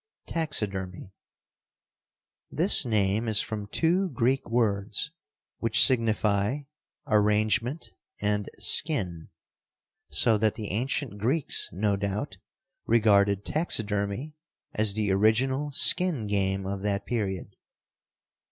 Taxidermy. This name is from two Greek words which signify "arrangement" and "skin," so that the ancient Greeks, no doubt, regarded taxidermy as the original skin game of that period.